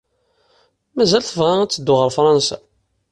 Mazal tebɣa ad teddu ɣer Fṛansa?